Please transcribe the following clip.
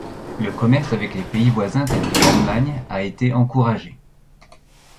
Le commerce avec les pays voisins tels que l'Allemagne a été encouragé.